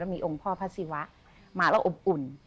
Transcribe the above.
มีองค์พ่อพระศิวะมาแล้วอบอุ่น